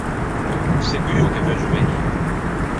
Seguo che veuggio vegnî!